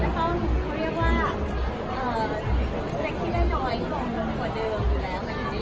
อยากให้เป้าหมายเกี่ยวกับทุกคนอยู่แต่โรงการ์ดไม่สร้างแต่ไม่พอ